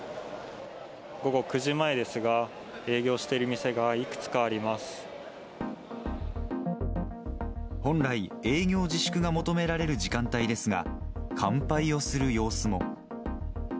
午後９時前ですが、営業して本来、営業自粛が求められる時間帯ですが、乾杯をする様子も。